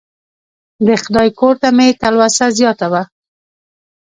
د خدای کور ته مې تلوسه زیاته وه.